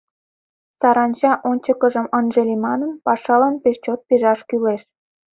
Саранча ончыкыжым ынже лий манын, пашалан пеш чот пижаш кӱлеш.